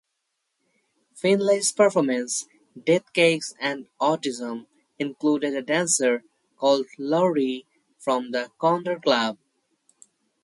Finley's performance "Deathcakes and Autism" included a dancer, called "Laurie", from the Condor Club.